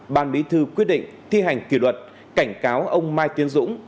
ban bí thư quyết định thi hành kỷ luật cảnh cáo ông mai tiến dũng